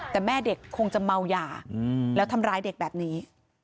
แต่แม่เด็กคงจะเมายาแล้วทำร้ายเด็กแบบนี้